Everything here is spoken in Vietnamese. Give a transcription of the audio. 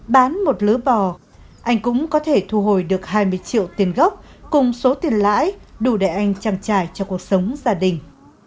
bán một lứa bò anh cũng có thể thu hồi được hai mươi triệu tiền gốc cùng số tiền lãi đủ để anh trang trải cho cuộc sống gia đình